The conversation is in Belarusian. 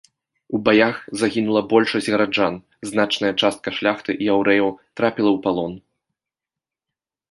У баях загінула большасць гараджан, значная частка шляхты і яўрэяў трапіла ў палон.